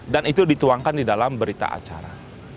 dan itu dituangkan di dalam berita acara